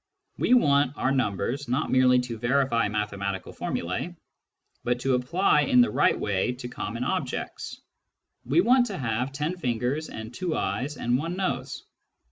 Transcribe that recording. We want our numbers not merely to verify mathematical formulae, but to apply in the right way to common objects. We want to have ten fingers and two eyes and one nose.